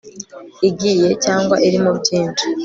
igiye cyangwa irimo byinshi